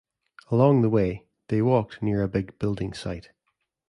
Along the way, they walked near a big building site.